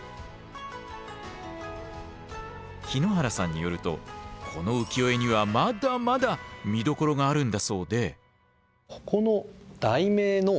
日野原さんによるとこの浮世絵にはまだまだ見どころがあるんだそうで。